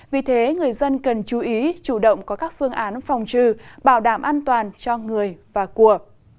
vì thế người dân cần chú ý chủ động có các phương án phòng trừ bảo đảm an toàn cho người và của